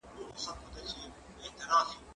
زه هره ورځ مړۍ پخوم!!